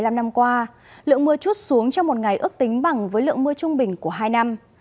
trong những năm qua lượng mưa chút xuống trong một ngày ước tính bằng với lượng mưa trung bình của hai năm